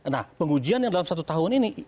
nah pengujian yang dalam satu tahun ini